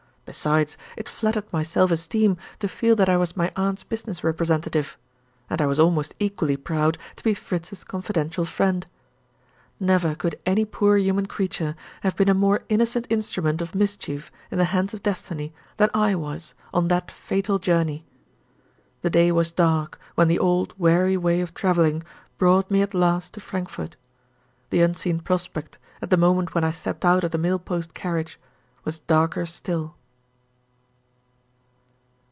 Besides, it flattered my self esteem to feel that I was my aunt's business representative; and I was almost equally proud to be Fritz's confidential friend. Never could any poor human creature have been a more innocent instrument of mischief in the hands of Destiny than I was, on that fatal journey. The day was dark, when the old weary way of traveling brought me at last to Frankfort. The unseen prospect, at the moment when I stepped out of the mail post carriage, was darker still.